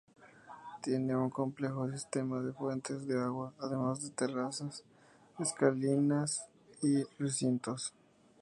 Tiene un complejo sistema de fuentes de agua, además de terrazas, escalinatas y recintos.